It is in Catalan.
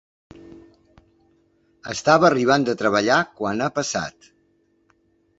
Estava arribant de treballar quan ha passat.